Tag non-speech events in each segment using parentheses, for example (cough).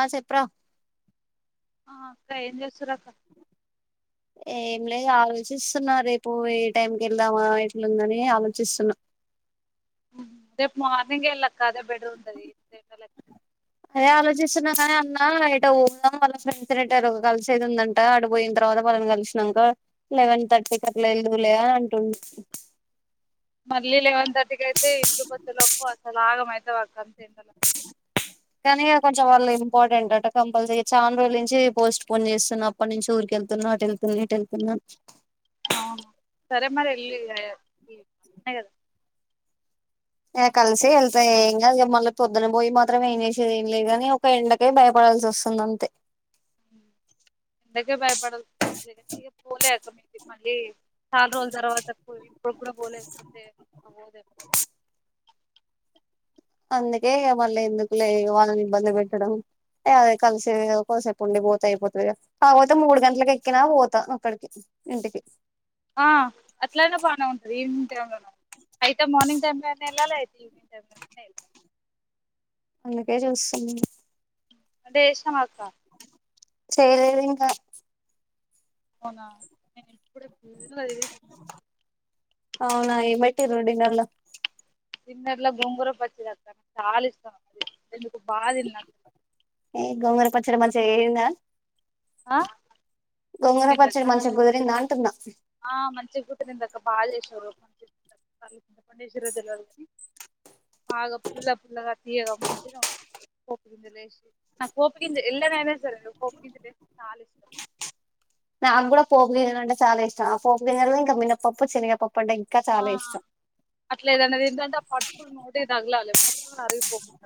ఆ చెప్పురా ఆ అక్క ఏం చేస్తురు అక్క ఏం లే ఆలోచిస్తున్నా రేపు ఏ టైంకి వెళ్దామా ఎట్లుందని ఆలోచిస్తున్నా రేపు మార్నింగ్ ఎళ్లక్క అదే బెటరుంటాది (unintelligible) అదే ఆలోచిస్తున్నా కాని అన్నా ఏటో పోదాం వాళ్ళ ఫ్రెండ్ (unintelligible) కలిసేది ఉందంట అటుపోయింతర్వాత తర్వాత మనం కలిసినాక లెవెన్ థర్టీకి అట్లా వెళ్దులే అని అంటుండు మళ్ళీ లెవెన్ థర్టీకి అయితే ఇంటి కొచ్చే లోపు అసలు ఆగం ఐతావ్ అక్క ఎండల కానీ కొంచెం మళ్ళీ ఇంపార్టెంట్ అట కంపల్సరీ చాలా రోజుల నుంచి పోస్ట్ పోన్ చేస్తున్నాను అప్పటి నుంచి ఊరికి వెళ్తున్నా అటు వెళ్తున్నా ఇటు వెళ్తున్నా అవును సరే మరి ఏళ్ళు ఇగ (unintelligible) ఏ కలిసి వెళ్తా ఏం కాదు ఇగ మల్ల పొద్దున పోయి మాత్రం ఏం చేసేది ఏం లేదుకని ఒక ఎండకే భయపడ డాల్సి వస్తుంది అంతే ఎండకే భయపడాసివస్తుంది ఇక పోలే అక్క మీది మళ్ళీ చాలా రోజుల తర్వాతకు పోయి ఇప్పుడు కూడా పోలేకపోతె ఇగ పోదెప్పుడు అందుకే మళ్ళీ ఎందుకులే వాళ్ళని ఇబ్బంది పెట్టడం అ అదే కలిసి కొసేపు ఉండి పోతే అయిపోతది గా కాకపోతే మూడు గంటలకి ఎక్కినాా పోతా అక్కడికి ఇంటికి ఆ అట్లనే బానే (unintelligible) అయితే మార్నింగ్ టైంలో లోనే వెళ్ళాలి అయితే ఈవెనింగ్ టైమ్ లోనే వెళ్ళాలి అందుకే చూస్తున్న వంట చేసినవా అక్క చేయలేదు ఇంకా అవునా నేను ఇపుడె (unintelligible) అవునా ఏం పెట్టిరు డిన్నర్ల డిన్నర్లో గొంగుర పచ్చడ (inaudible) చాల ఇష్టం అది ఎందుకొ బా దిన్న ఏ గోంగుర పచ్చడ మంచ అయిందా గొంగూర ఏంటిదక్క పచ్చడి మంచి గుదిరిందా అంటున్న ఆ మంచి గుదిరిందిక్క బా చేసిరు వాళు చింతపండేశిర్రో దెలవదు కనీ బాగ పుల్ల పుల్లగ తీయగా మంచి ఉంది పోప్ గింజ లేసి నాకు పోప్ గింజ ఎల్ల నైన సరే పోపు గిజ లే చాలా ఇష్టం నాక్ గూడా పోపు గింజలంటే చాల ఇష్టం ఆ పోపు గింజలే ఇంకా మినన్నపప్పు చెనగగప క చాలా ఇష్టం అట్లేదన్న దీంటంటే ఆ పట్కులు నోటి ధగలాలే మొత్తం అరిగిపోకుంట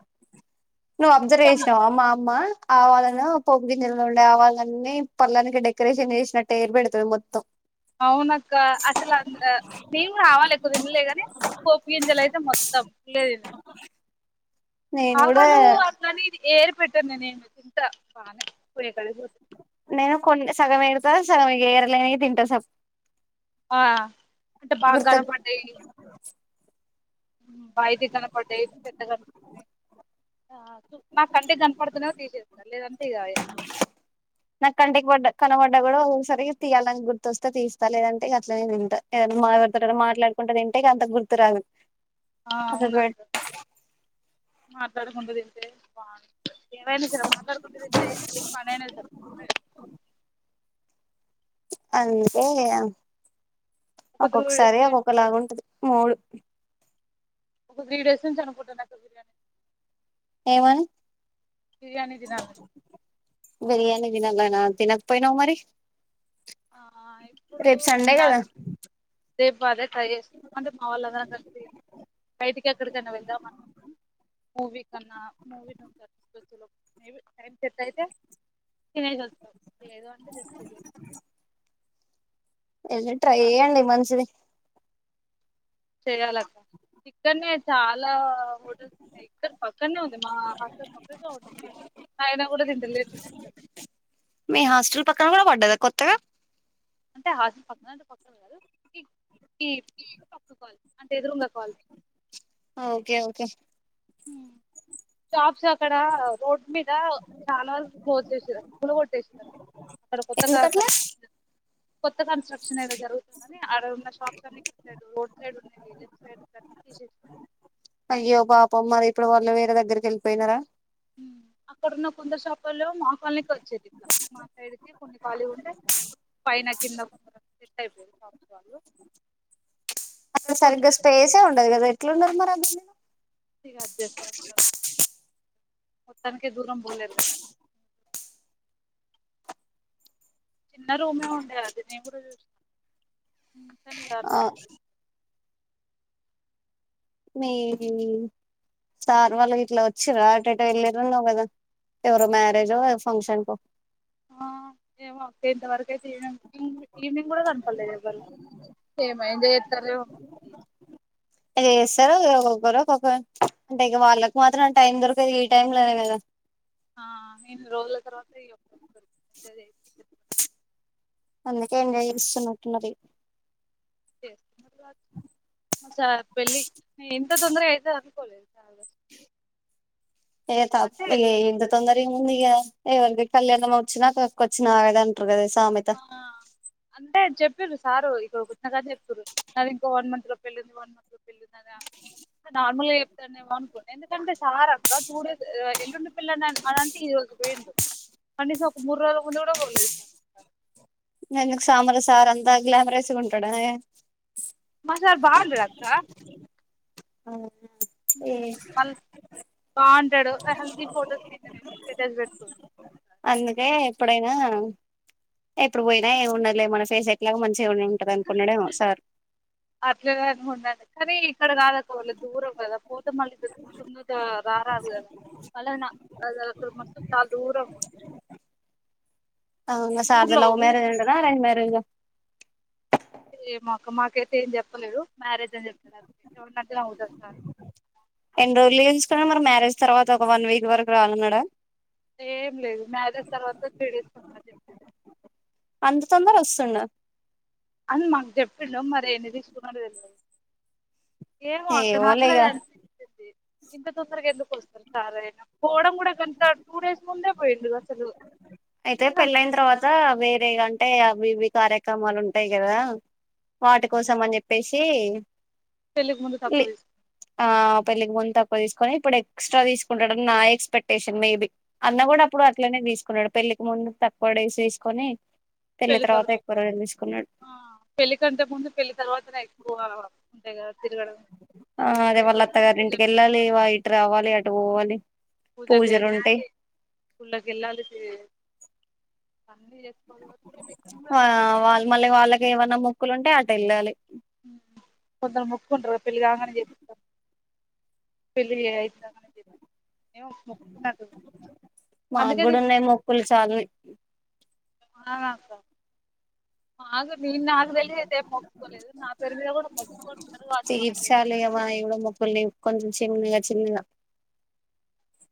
నువ్వు అబ్జర్వ్ చేసినావా మా అమ్మ ఆవాలలో పోపు గింజల్లో ఉండే ఆవాళ్ళన్నీ పల్లానికి డెకరేషన్ చేసినట్టే ఏరి పెడతది మొత్తం అవునక్క అసలు అందుల నేను గూడ ఆవాలు ఎక్కువ తినలేగాని పోపు గింజలు అయితే మొత్తం ఫుల్ (unintelligible) నేను కూడా ఆవాలూ అట్లని ఇది ఏర్ పెట్ట నేనేమి తింటా బానే (unintelligible) నేను కొన్ సగం ఎరుతా సగం ఇగ ఎరలేని తింటా స ఆ అంటే బాగా గుర్తొ బయిటి కనపడ్డయ్ పెద్ద కనిపి (inaudible) నా కంటి కనపడుత తీసేస్తా లేదంటే ఇగా నా కంటిక్ బడ్డ కనవ నగూడా ఒఓసారి తియ్యాలని గుర్తొస్తే తీస్తా, లేదంటే ఇగ అట్లనే దింట ఎవరన్ (unintelligible) మాట్లాడుకుంట దిన్. టే గ అంత గుర్తు రాదు ఆ అవునక్క మాట్లాడుకుండ తింటే బాన్ ఎవైనా సరే మాట్లాడుకుంట తింటే ఎ పని అయిన సరే (unintelligible) అంటే అ ఒక త్రూ ఒక్కొక్కసారి త్రీ ఒక్కొక్కలాగ ఉంటది మూలు ఒక త్రీ డేస్ నుంచి అనుకుంట నాకు బిర్యానీ ఏమని బిర్యానీ తినాలని బిరియానీ తినాలనా తినకపోయినావ్ మరి ఆ రేప్ సండే గదా రేపు అదే ట్రై చేస్ అంటే మా వాళ్ళ అందరం కలిసి బయటికి ఎక్కడికన్నా వెళ్దామ (inaudible) మూవికన్నా మూవి నుంచీ (inaudible) మే బి టైం సెట్ ఐతే తినేసొస్త లేదు అంటే జస్ట్ ఇదే ఎల్లి ట్రై ఏయండి మంచిది చెయ్యాలక్ ఇక్కన్నే చాలా హోటల్స్ ఉన్నాయి ఇక్కడ ప క్కన్నే ఉంది మా హాస్టల్ పక్కకే ఉండిద్ది ఆయన గూడా తింట లేదు (inaudible) మీ హస్టల్ పక్కన గూడ పడ్డద కొత్తగ అంటే హాస్టల్ పక్కన అంటే పక్కన గాదు ఇ ఈ పక్క కాలనీ అంటే ఎదురుంగ కాలనీ ఓకే ఓకే షాప్స్ అక్కడా రోడ్ మీద చాలా అర్ క్లోజ్ చేసారు కూలగొట్టేసిరు అవి అక్కడ కొత్తగా కా ఎందుకట్లా (inaudible) కొత్త కన్స్ట్రక్షన్ ఏదో జరుగుతుందనీ ఆడ ఉన్న షాప్స్ అన్నీ రోడ్ సైడ్ ఉన్నది (inaudible) సైడ్ తని తీసేసినా అయ్యో పాపం మరి ఇప్పుడు వాళ్ళు వేరే దగ్గరికి ఎళ్ళిపోయినరా అక్కడున్న కొందరు షాపోల్లేం మా కాలనీకి ఒచ్చేది ఇట్ల మా సైడ్ కి కొన్ని ఖాళీ ఉంటే పైన కింద (inaudible) సెట్ అయిపోయిర్ షాప్స్ వాళ్ళు అక్కడ సరిగ్గా కొందరేమో స్పేసే ఉండదు కదా ఎట్లున్నరు మరి (unintelligible) ఇక అడ్జస్ట్ అయినామ్ మొత్తానికే దూరం పోలేదు కదా చిన్న రూమే ఉండే కదాఅది నేను కూడా చూసిన కానీ ఇగ ఆ అట్లా మీరు సార్ వాళ్ళు ఇట్లా వచ్చిర్రా అటు ఏటో వెళ్లిర్రన్నవ్ కదా ఎవరో మేరేజో ఫంక్షన్కో ఆ ఏమో అక్క ఇంత వరకు అయితే ఏమో ఈవినింగ్ కూడా కనపడలేదు ఎవ్వరు (unintelligible) ఇది చేస్తారు ఒక్కొరుక్కొక్కరు అంటే ఇగ వాళ్ళకి మాత్రం టైం దొరకదు ఈ టైమ్ లోనే కదా ఆ ఎన్ని రోజుల తర్వాత ఈ ఒక్క (inaudible) అందుకే ఎంజాయ్ చేస్తున్నట్టున్నది (inaudible) సార్ పెళ్ళి ఇంత తొందర అయితే అనుకోలేదు ఏ అంటే తప్ప ఇంత తొందర ఏముంది ఇగ ఎవరికి కళ్యాణం వచ్చినా కక్కు వచ్చినా ఆగదు అంటార్రు కదా సామెత ఆ అంతే చెప్పిర్రు సారు ఇక్కడ వచ్చిన కానించి చెప్తుారు నాది ఇంకో వన్ మంత్ లో పెళ్ళున్ది వన్ మంత్ లో పెళ్ళు న్ద్ అని నార్మల్గా చెప్తానేమో అనుకోన్న ఎందుకంటే సార్ అక్క టూ డేస్ ఎల్లుండి పెళ్లి అని అనంటే పోయిండు కనీసం ఒక మూడు రోజుల ముందు కూడా పోలేదు ఎందుకు సామ్రా సార్ అంతా గ్లామరస్గా ఉంటాడా ఏ మాసార్ బాగుంటడక్కా అహా ఏ బాగుంటాడు హెల్దీ ఫొటోస్ నేను స్టేటస్ పెట్టుకున్నాను అందుకే ఎప్పుడైనా ఎప్పుడు పోయినా ఏమి ఉండదులే మన ఫేస్ ఎట్లాగో మంచి ఉంటది అనుకున్నాడేమో సార్ అట్లనే అనుకుంటాండు కానీ ఇక్కడ కాదు వాళ్ళు దూరం కదా పో మళ్లీ (unintelligible) రారాదు కదా మలానా అసలు మస్తు చాలా దూరం ఉంటుంది అవును సార్ ది ఊర్లో లవ్ ఊరు మ్యారేజ్ అంటనా అరేంజ్ మ్యారేజ సైడ్ మాకు మాకైతే ఏం చెప్పలేదు మ్యారేజ్ అని చెప్ ఎవడు నచ్చిన ఉంటడు సార్ ఎన్ని రోజులు లీవ్ తీసుకున్నాడు మ్యారేజ్ తర్వాత ఒక వన్ వీక్ వరకు రానన్నడ ఏం లేదు మ్యారేజ్ తర్వాత త్రీ డేస్ కొత్తా అన్ చెప్పాడు అంత తొందర వస్తుండ అని మాకు చెప్పిండు మరి ఎన్ని తీసుకున్నాడో మాక్ తెలీదు ఏమో అక్క నా ఏమోలే కూడా ఇగ అదే అనిపిస్తుంది ఇంత తొందరగా ఎందుకు వస్తారు సార్ అయినా పోవడం కూడా గంత టూ డేస్ ముందే పోయిండు అసలు అయితే ఎందుకంత పెళ్ళైన తర్వాత వేరేగా అంటే అవి ఇవి కార్యక్రమాలు ఉంటాయి కదా వాటి కోసం అని చెప్పేసి పెళ్లికి ముందు తక్కువ తీస్ పెళ్లికి ముందు తక్కువ తీసుకొని ఇప్పుడు ఎక్స్ట్రా తీసుకుంటాడని నా ఎక్స్పెక్టేషన్ మేబీ అన్న కూడా అప్పుడు అట్లనే తీసుకున్నడు పెళ్లికి ముందు తక్కువ వాడేసేసుకొని పెళ్లి తర్వాత ఎక్కువ (unintelligible) ఆ పెళ్లి కంటే ముందు పెళ్లి తర్వాతనే ఎక్కువ ఉంటాయిగ ఆ అదే వాళ్ళ అత్తగారి ఇంటికి పూజలు వెళ్ళాలి వా ఇటు రావాలి అటు పోవాలి పూజలు చేపియాలీ గుళ్లకు కెళ్ళాలి (unintelligible) ఆ వాళ్ళు మళ్ళీ వాళ్ళకి ఏమన్నా మొక్కులు ఉంటే అటు వెళ్ళాలి ఉమ్, కొందరు పెళ్ళి అయిందాకైన జేస్ ఏ మొక్కున్నట్టు మాకు అందుకే కూడా ఉన్నాయి తీర్చిన మొక్కులు చాలని ఆ అక్క ఆ నేను నాకు తెలిసి అయితే మొక్సుకోలేదు నా పేరు మీద కూడా మొసుకొని ఉన్నారు వాటి మా పేరు ల్ికొంచం చెగా చెల్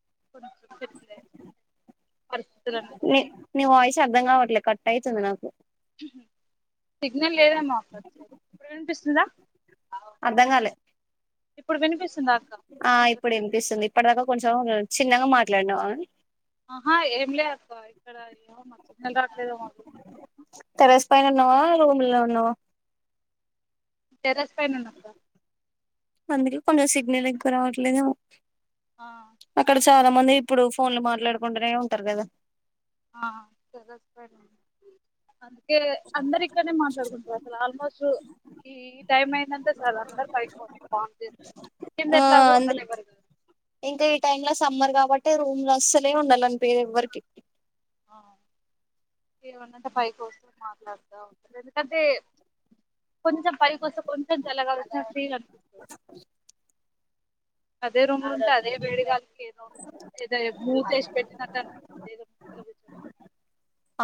(inaudible) నీ నీ వాయిస్ అర్ధం కావట్లే కట్ అయితుంది నాకు సిగ్నల్ లేదమ్మా ఇప్పుడు ఏ అనిపిస్తుందా అర్ధంగాలే ఇప్పుడు వినిపిస్తుందా అక్క ఆ సిగ్నల్ ఇప్పుడు వినిపిస్తుంది ఇప్పటి దాకా కొంచెం చిన్నగా మాట్లాడినాం ఆహా ఏం లే అక్క ఇక్కడ మ చిలద నా రూమ్ లో ఉ ను టెర్రస్ పైన ఉన్నా అక అందుకే కొంచెం సిగ్నల్ ఎక్కువ రావట్లేదు ఆ చాలా మంది ఇప్పుడు ఫోన్లు మాట్లాడుకుంటూనే ఉంటారు కదా ఆ (inaudible) అ అందరు ఇక్కడనే మాట్లాడుకుంటారు అసలు ఆల్మోస్ట్ ఈ ఈ టైమ్ అయిందంటే సార్ అందరు పైకిపోస్తారు బాన్ చేస్తారు కింద ఆ ఎట్లాగో అందులో ఉండనివ్వరుగా ఇంకా ఈ టైమ్ లో సమ్మర్ కాబట్టి రూమ్లు అస్సలే ఉండాలని పరు ఎవ్వరికి ఆ ఏమన్నంత పై కోసం మాట్లాడుతా ఉంటారు ఎందుకంటే కొంచెం పై కోసం కొంచెం చల్ల గాలి వసిన ఫీల్ అనిపిస్తుంది అదే రూమ్ లో ఉంటే అదే వేడి గాలి ఏదో భూ తెసి పెట్టిన తదో కూర్చ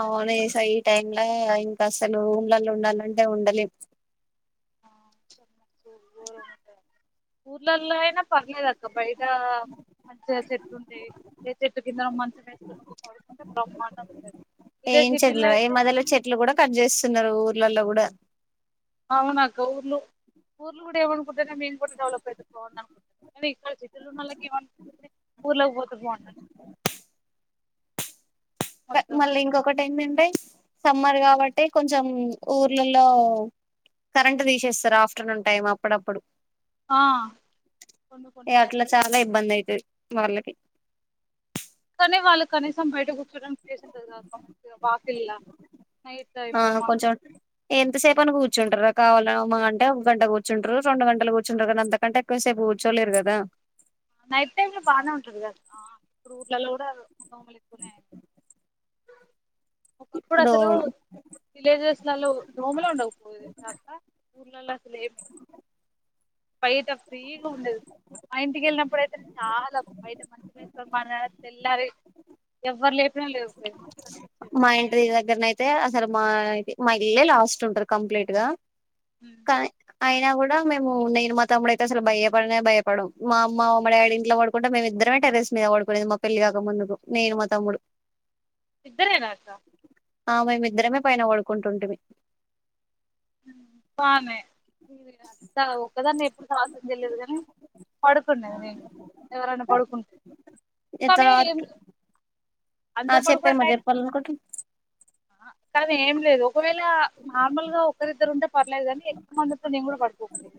అవును సై టైంలా ఇంకా అసలు ఊళ్ళలో ఉండాలంటే ఉండలే (inaudible) ఊర్లల్లో అయినా పర్లేదు అక్క బయట మంచిగా చెట్లుంటాయి చెకింద చెట్టు కింద మంచు వేసుకొని పడుకుంటే బ్రహ్మాండ ఏం చెట్లు రా ఏ మదల చెట్లు కూడా కట్ చేస్తున్నారు ఊర్లలో కూడా అవునా ఊర్లు ఊర్లు కూడా ఏమనుకుంటారనే మేము కూడా డెవలప్ అవుతు పో అనుకుంటు న ఇ లు నళ్ళకి ఏమనిపిస్తుంది ఊర్లోకి పోతూ పోండను మళ్ళీ ఇంకొక టైం ఉంటాయి సమ్మర్ కాబట్టి కొంచెం ఊర్లలో కరెంట్ తీసేస్తారు ఆఫ్టర్నూన్ టైం అప్పుడప్పుడు ఆ కొన్ని కొన్ని సార్లు అట్లా చాలా ఇబ్బంది అయి వర్లకి ళ్ళ కనీసం బయటకు వాక్ ఇ నైట్ టైం ఎంత సేపు అని కూర్చుంటారు కావాల మహా అంటే ఒక గంట కూర్చుంటారు రెండు గంటలు కూర్చుంటారు కదా అంతకంటే ఎక్కువ సేపు కూర్చోలేరు కదా నైట్ టైమ్ లో బాగానే ఉంటది కదా ఇప్పుడు ఊర్లలో కూడా దోమలు ఎక్కునే ఒకప్పుడు దో అసలు విలేజెస్లలో దోముల ఉండకపోదు కాక ఊర్ల అసలేమి బైట ఫ్రీగా ఉండదు ఆ ఇంటికెళ్ళిన ఇప్పుడైతే చాలా బయట మంచి మ తెల్లారి ఎవ్వరు లేపిన లేవుపో మొత్తం మా ఇంట్రీ దగ్గరన అయితే అసలు మాయి మా ఇల్లే లాస్ట్ ఉంటారు కంప్లీట్ గా ఉమ్. కాయ అయినా కూడా మేము నేను మా తమ్ముడ అతే అసలు భయపడనే భయపడ మా అమ్మ మామ్మ డాడీ ఇంట్లో పడుకుంటే మేము రామే టెరెస్ మీద పడుకునేది మా పెళ్లి కాక ముందుకు నేను మా తమ్ముడు ఇద్దరేనాత ఆ మేమిద్దరమే పైన వాడుకుంటుంటేం బానే మీ ఒక్కదాన్ని ఎప్పుడు రావాసయం తె లేదు కాని పడుకుండేది నేను ఎవరైనా పడుకుంటే కానీ ఇతరు ఏం- అందరు పడు కూడాై కానీ ఏం లేదు ఒకవేళ నార్మల్ గా ఇద్దరిద్దరు ఉంటే పర్లేదు కాని ఎక్క్క మందితో నేను కూడా పడుకోకలేదు